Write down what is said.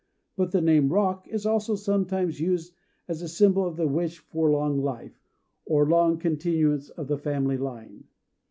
But the name "Rock" is also sometimes used as a symbol of the wish for long life, or long continuance of the family line.